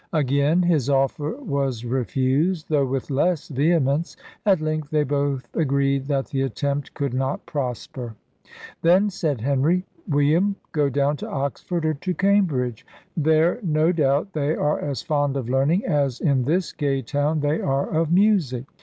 Again his offer was refused, though with less vehemence: at length they both agreed that the attempt could not prosper. "Then," said Henry, "William, go down to Oxford or to Cambridge. There, no doubt, they are as fond of learning as in this gay town they are of music.